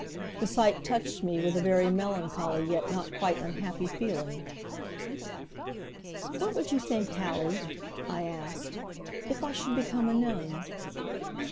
The sight touched me with a very melancholy yet not quite unhappy feeling. "What would you think, Hallie," I asked, "if I should become a nun?"